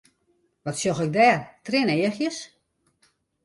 Wat sjoch ik dêr, trieneachjes?